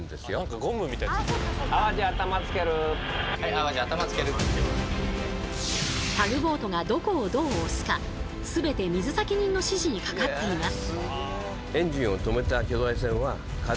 やって来たのはタグボートがどこをどう押すかすべて水先人の指示にかかっています。